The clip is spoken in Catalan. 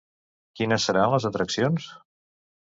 Quines seran les atraccions?